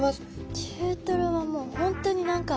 中トロはもう本当に何か。